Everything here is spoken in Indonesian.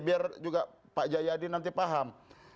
biar juga pak jayadi nanti paham